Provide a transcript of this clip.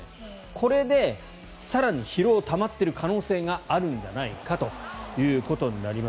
これで更に疲労がたまってる可能性があるんじゃないかということになります。